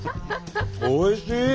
おいしい！